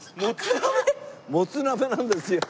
もつ鍋なんですよ。